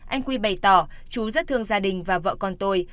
anh quy bày tỏ chú rất thương gia đình và vợ con tôi